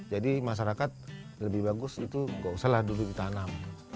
jadi masyarakat lebih bagus itu gak usah lah dulu ditanam